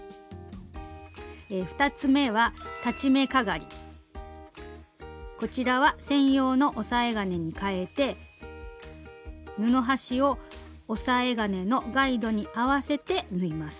２つ目はこちらは専用の押さえ金にかえて布端を押さえ金のガイドに合わせて縫います。